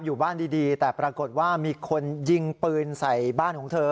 อยู่บ้านดีแต่ปรากฏว่ามีคนยิงปืนใส่บ้านของเธอ